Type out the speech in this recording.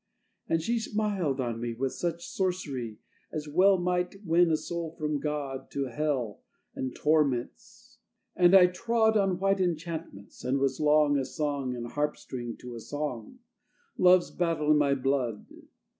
And she Smiled on me with such sorcery As well might win a soul from God To Hell and torments. And I trod On white enchantments and was long A song and harp string to a song, Love's battle in my blood.